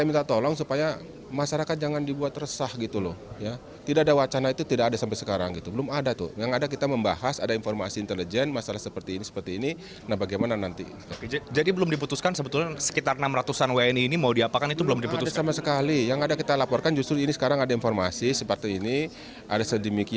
bapak komjen paul soehardi alius